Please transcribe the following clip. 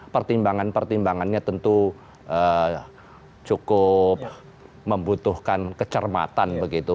pertimbangan pertimbangannya tentu cukup membutuhkan kecermatan begitu